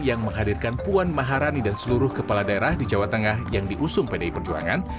yang menghadirkan puan maharani dan seluruh kepala daerah di jawa tengah yang diusung pdi perjuangan